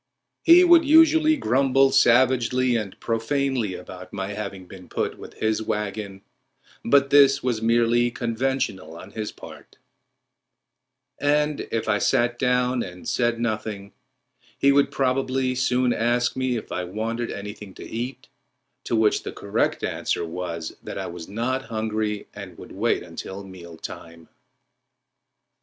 He would usually grumble savagely and profanely about my having been put with his wagon, but this was merely conventional on his part; and if I sat down and said nothing he would probably soon ask me if I wanted anything to eat, to which the correct answer was that I was not hungry and would wait until meal time.